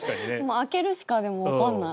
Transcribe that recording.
空けるしかでもわかんない。